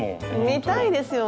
見たいですよ。